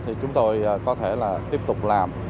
thì chúng tôi có thể là tiếp tục làm